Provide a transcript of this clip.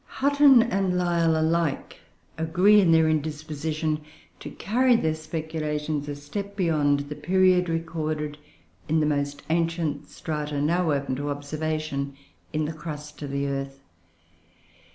Hutton and Lyell alike agree in their indisposition to carry their speculations a step beyond the period recorded in the most ancient strata now open to observation in the crust of the earth.